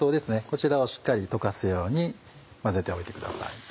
こちらをしっかり溶かすように混ぜておいてください。